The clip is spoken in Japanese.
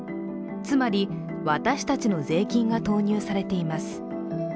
つまり私たちの税金が投入されています。